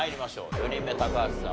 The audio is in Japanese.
４人目高橋さん